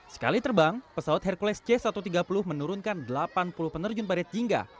sekali terbang pesawat hercules c satu ratus tiga puluh menurunkan delapan puluh penerjun parit jingga